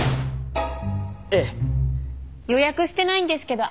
ええ。予約してないんですけど空いてますか？